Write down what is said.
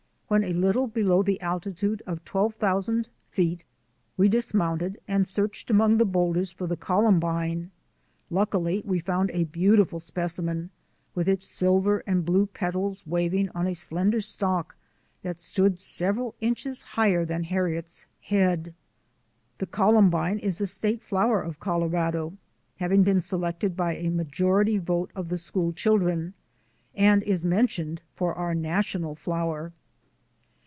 When a little below the altitude of 12,000 feet we dis mounted and searched among the boulders for the HARRIET— LITTLE MOUNTAIN CLIMBER 239 columbine. Luckily we found a beautiful speci men with its silver and blue petals waving on a slender stalk that stood several inches higher than Harriet's head. The columbine is the state flower of Colorado, having been selected by a majority vote of the school children, and is mentioned for our national flower.